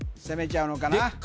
攻めちゃうのかな？